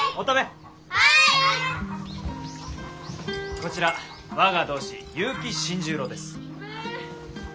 こちら我が同志結城新十郎です。